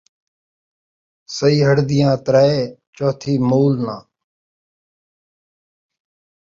سیہڑ دیاں ترائے ، چوتھی مول ناں